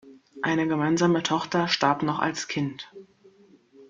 Eine gemeinsame Tochter starb noch als Kind.